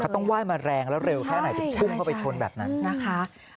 ต้องไหว้มาแรงแล้วเร็วแค่ไหนถึงพุ่งเข้าไปชนแบบนั้นนะคะ